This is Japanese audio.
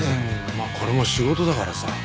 まあこれも仕事だからさ。